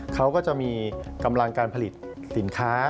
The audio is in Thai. เขาก็จะมีกำลังการผลิตสินค้า